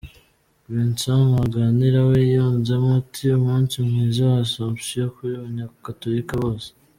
Vincent Ntaganira we yunzemo ati ‘‘Umunsi mwiza wa Asomption ku banyagatolika bose.